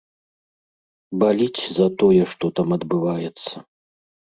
Баліць за тое, што там адбываецца.